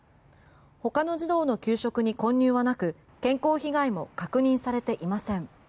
ほかの児童の給食に混入はなく健康被害も確認されていません。